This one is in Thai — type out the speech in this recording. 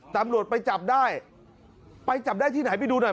ทำหลวดไปจับได้หายไปจับได้ที่ไหนที่ดูหน่อยไหม